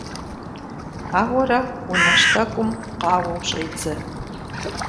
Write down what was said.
Ауэрэ унэжь тӀэкӀум къауэу щӀедзэ.